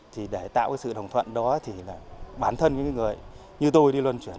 thì để tạo sự đồng thuận đó thì bản thân những người như tôi đi luân chuyển